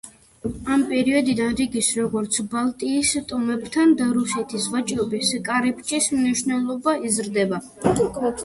ამ პერიოდიდან რიგის როგორც ბალტიის ტომებთან და რუსეთთან ვაჭრობის კარიბჭის მნიშვნელობა იზრდება.